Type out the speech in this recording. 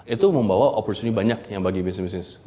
itu membawa opportunity banyak yang bagi bisnis bisnis